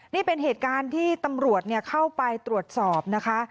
นี่เป็นเหตุการณ์ที่ตำรวจเข้าไปตรวจสอบนะคะ